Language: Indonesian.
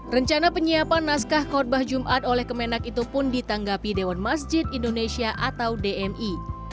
rencana penyiapan naskah kotbah jumat oleh kemenak itu pun ditanggapi dewan masjid indonesia atau dmi